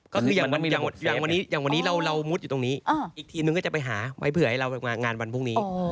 ก็คืออย่างวันนี้อย่างวันนี้เรามุดอยู่ตรงนี้อีกทีนึงก็จะไปหาไว้เผื่อให้เรามางานวันพรุ่งนี้